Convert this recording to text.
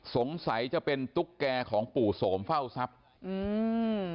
สงสัยจะเป็นตุ๊กแก่ของปู่โสมเฝ้าทรัพย์อืม